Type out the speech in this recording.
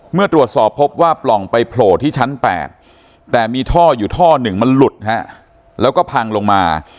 เมื่อตรวจสอบพบว่าปล่องไปโผล่ที่ชั้น๘แต่มีท่ออยู่ท่อหนึ่งมันหลุดแล้วก็พังลงมา